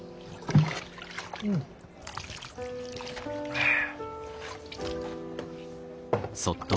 はあ。